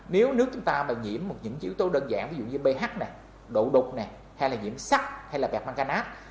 nếu nước chúng ta mà nhiễm những yếu tố đơn giản ví dụ như ph độ đục hay là nhiễm sắc hay là bẹp manganat